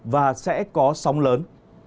và sẽ có sóng lớn